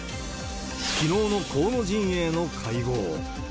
きのうの河野陣営の会合。